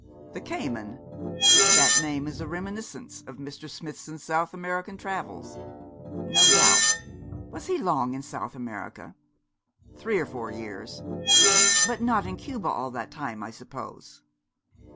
'The Cayman! That name is a reminiscence of Mr. Smithson's South American travels.' 'No doubt! Was he long in South America?' 'Three or four years.' 'But not in Cuba all that time, I suppose?'